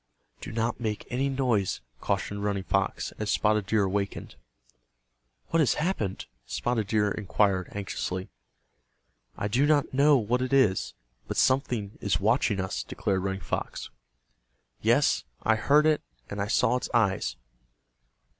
"Do not make any noise," cautioned Running Fox, as Spotted Deer awakened. "What has happened?" Spotted Deer inquired, anxiously. "I do not know what it is, but something is watching us," declared Running Fox. "Yes, I heard it, and I saw its eyes."